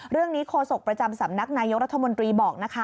โฆษกประจำสำนักนายกรัฐมนตรีบอกนะคะ